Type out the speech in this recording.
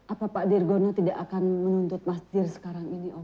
apa pak dirgono tidak akan menuntut masjid sekarang ini